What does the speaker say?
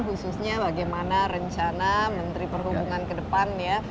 khususnya bagaimana rencana menteri perhubungan ke depan ya